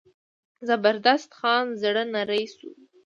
زبردست خان زړه نری شو.